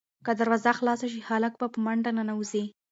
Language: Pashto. که دروازه خلاصه شي، هلک به په منډه ننوځي.